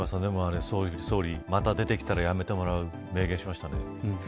でもまた出てきたらやめてもらうと明言しましたね。